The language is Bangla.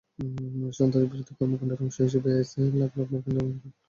সন্ত্রাসবিরোধী কর্মকাণ্ডের অংশ হিসেবে এনএসএ লাখ লাখ মার্কিন নাগরিকের টেলিফোন রেকর্ড সংগ্রহ করত।